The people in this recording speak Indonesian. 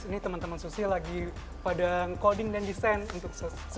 ini teman teman sushi lagi pada coding dan desain untuk sushi